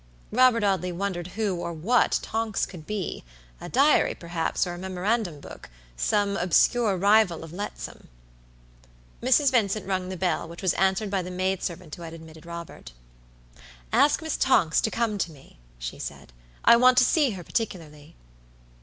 Robert Audley wondered who or what Tonks could be; a diary, perhaps, or a memorandum booksome obscure rival of Letsome. Mrs. Vincent rung the bell, which was answered by the maid servant who had admitted Robert. "Ask Miss Tonks to come to me," she said. "I want to see her particularly."